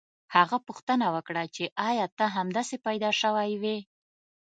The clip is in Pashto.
هغه پوښتنه وکړه چې ایا ته همداسې پیدا شوی وې